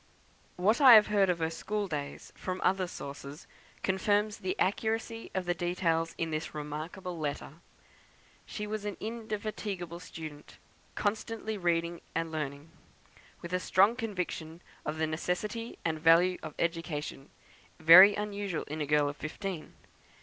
What I have heard of her school days from other sources, confirms the accuracy of the details in this remarkable letter. She was an indefatigable student: constantly reading and learning; with a strong conviction of the necessity and value of education, very unusual in a girl of fifteen.